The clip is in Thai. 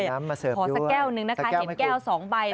ขอสักแก้วหนึ่งนะคะเห็นแก้ว๒ใบ